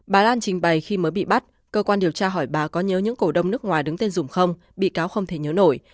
bà lan trình bày khi mới bị bắt cơ quan điều tra hỏi bà có nhớ những cổ đông nước ngoài đứng tên dùng không bị cáo không thể nhớ nổi